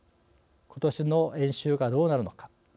ことしの演習が、どうなるのか。